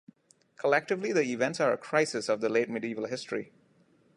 Collectively the events are a crisis of the Late medieval history.